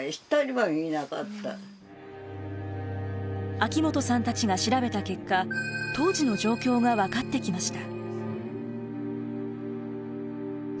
秋本さんたちが調べた結果当時の状況が分かってきました。